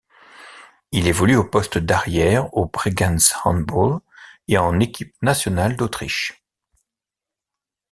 Il évolue au poste d'arrière au Bregenz Handball et en équipe nationale d'Autriche.